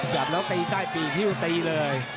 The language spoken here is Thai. จับแล้วตีใต้ปีกฮิ้วตีเลย